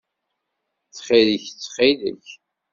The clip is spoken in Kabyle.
Ttxil-k! Ttxil-k!